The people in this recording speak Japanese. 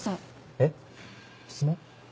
えっ？質問？